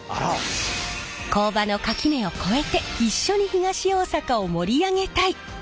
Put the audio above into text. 工場の垣根を超えて一緒に東大阪を盛り上げたい！